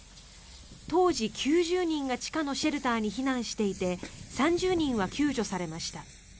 当時９０人が地下のシェルターに避難していて３０人は救助されました。